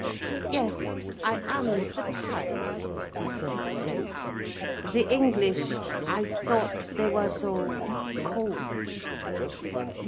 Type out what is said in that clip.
"Yes, I am surprised," he said at length. "The English, I thought they were so—cold.